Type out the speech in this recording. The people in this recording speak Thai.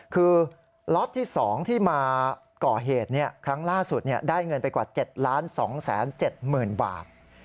คือล็อตที่๒ที่มาก่อเหตุครั้งล่าสุดได้เงินไปกว่า๗๒๗๐๐๐บาท